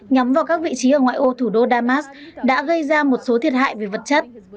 nhắm vào các vị trí ở ngoại ô thủ đô damas đã gây ra một số thiệt hại về vật chất